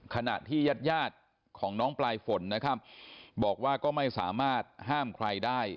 ขณะที่ญาติยาดของน้องปลายฝนนะครับบอกว่าก็ไม่สามารถห้ามใครได้